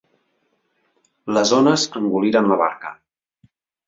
Les ones engoliren la barca.